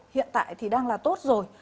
hiện tại thì đang là tốt rồi